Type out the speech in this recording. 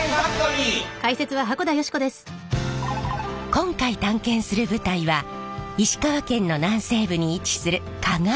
今回探検する舞台は石川県の南西部に位置する加賀市。